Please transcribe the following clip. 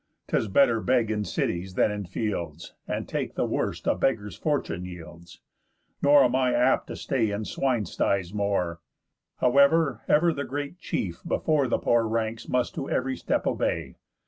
'Tis better beg in cities than in fields, And take the worst a beggar's fortune yields. Nor am I apt to stay in swine styes more, However; ever the great chief before The poor ranks must to ev'ry step obey.